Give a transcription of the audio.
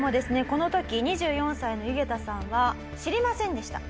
この時２４歳のユゲタさんは知りませんでした。